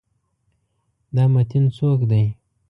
دا متین څوک دی؟